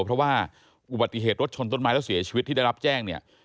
เพราะว่าอุบัติเหตุรถชนต้นไม้แล้วเสียชีวิตที่ได้รับแจ้งเนี่ย